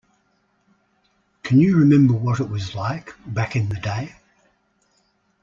Can you remember what it was like back in the day?